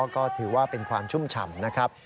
ก็ถือว่าเป็นความชุ่มฉ่ำนะครับ